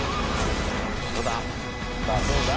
どうだ？